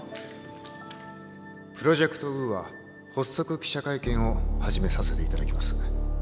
プロジェクト・ウーア発足記者会見を始めさせていただきます。